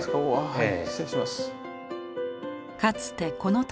はい。